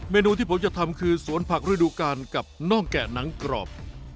เมนูที่ผมจะทำเคยสวนผักธุะดวกันกลับนอกแกะหนังกรอบ